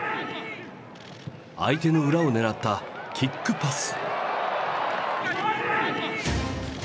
相手の裏を狙ったキックパス！